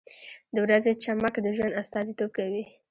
• د ورځې چمک د ژوند استازیتوب کوي.